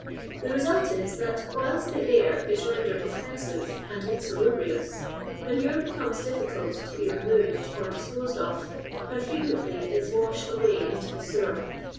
The re sult is, that whilst the air is rendered olTensive and inaalubrious, manure lK>comes difficult to be re moved or dij*i)<)Sod of, and frequently is washed away into the sewer.